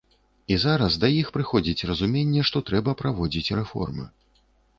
І зараз да іх прыходзіць разуменне, што трэба праводзіць рэформы.